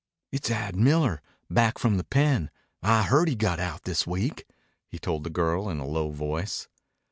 "It's Ad Miller, back from the pen. I heard he got out this week," he told the girl in a low voice.